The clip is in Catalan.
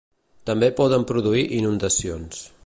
També poden produir inundacions.